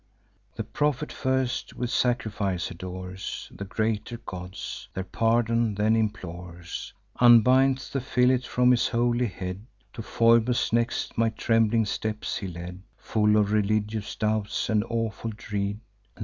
"The prophet first with sacrifice adores The greater gods; their pardon then implores; Unbinds the fillet from his holy head; To Phoebus, next, my trembling steps he led, Full of religious doubts and awful dread.